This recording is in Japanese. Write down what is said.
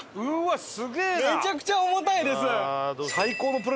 めちゃくちゃ重たいです！